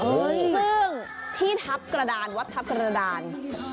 ซึ่งที่ทัพกระดานวัดทัพกระดาน